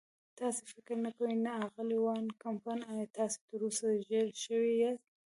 تاسې فکر نه کوئ؟ نه، اغلې وان کمپن، ایا تاسې تراوسه ژېړی شوي یاست؟